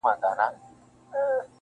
• یار له جهان سره سیالي کوومه ښه کوومه..